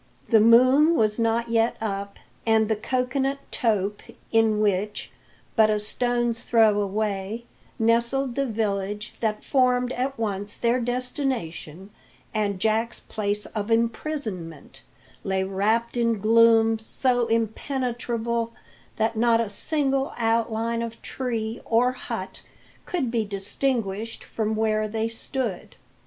The moon was not yet up, and the cocoa nut tope in which, but a stoned throw away, nestled the village that formed at once their destination and Jack's place of imprisonment, lay wrapped in gloom so impenetrable that not a single outline of tree or hut could be distinguished from where they stood.